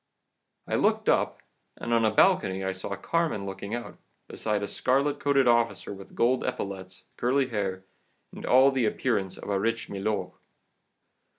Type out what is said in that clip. "I looked up, and on a balcony I saw Carmen looking out, beside a scarlet coated officer with gold epaulettes, curly hair, and all the appearance of a rich milord.